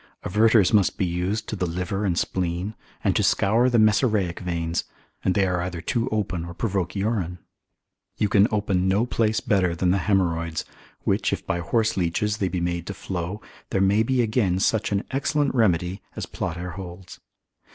Averters must be used to the liver and spleen, and to scour the mesaraic veins: and they are either too open or provoke urine. You can open no place better than the haemorrhoids, which if by horseleeches they be made to flow, there may be again such an excellent remedy, as Plater holds.